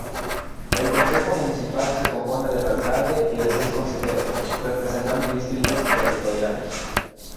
El consejo municipal se compone del alcalde y de seis consejeros representando distritos territoriales.